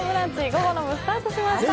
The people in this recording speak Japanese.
午後の部、スタートしました。